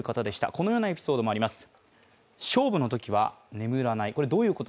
このようなエピソードもあります。